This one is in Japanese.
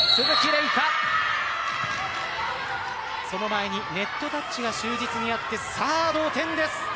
その前にネットタッチが就実にあって同点です。